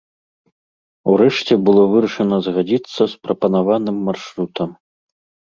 Урэшце было вырашана згадзіцца з прапанаваным маршрутам.